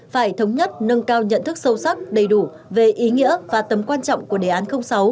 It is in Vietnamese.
phải thống nhất nâng cao nhận thức sâu sắc đầy đủ về ý nghĩa và tầm quan trọng của đề án sáu